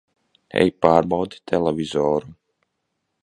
Ej pārbaudi televizoru!